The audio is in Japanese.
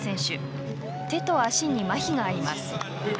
手と足にまひがあります。